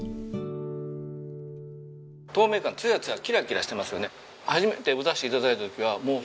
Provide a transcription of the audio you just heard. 透明感ツヤツヤキラキラしてますよね。